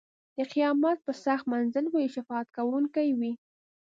د قیامت په سخت منزل به یې شفاعت کوونکی وي.